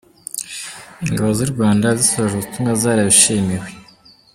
Ingabo z’u Rwanda zisoje ubutumwa zarabishimiwe